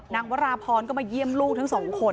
วราพรก็มาเยี่ยมลูกทั้งสองคน